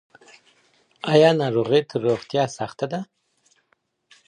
آیا ناروغي تر روغتیا سخته ده؟